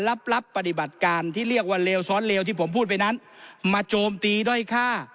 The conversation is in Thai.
รับรับปฏิบัติการที่เรียกว่าเลวซ้อนเลวที่ผมพูดไปนั้นมาโจมตีด้อยค่า